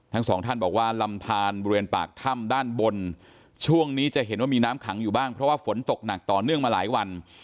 ทั้งสองท่านบอกว่าลำทานบริเวณปากถ้ำด้านบนช่วงนี้จะเห็นว่ามีน้ำขังอยู่บ้างเพราะว่าฝนตกหนักต่อเนื่องมาหลายวัน